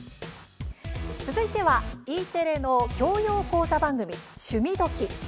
続いては、Ｅテレの教養講座番組「趣味どきっ！」。